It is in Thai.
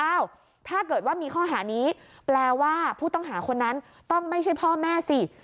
ถ้าเกิดว่ามีข้อหานี้แปลว่าผู้ต้องหาคนนั้นต้องไม่ใช่พ่อแม่สิ